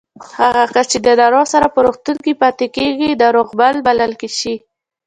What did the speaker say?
هغه کس چې د ناروغ سره په روغتون کې پاتې کېږي ناروغمل باله شي